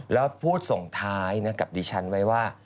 แล้วพูดส่งท้ายกับดิฉันไว้ว่า